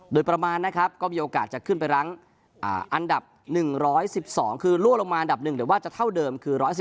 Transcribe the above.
โดยประมาณนะครับก็มีโอกาสจะขึ้นไปรั้งอันดับ๑๑๒คือรั่วลงมาอันดับ๑หรือว่าจะเท่าเดิมคือ๑๑๒